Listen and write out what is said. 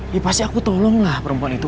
ya pasti aku tolong lah perempuan itu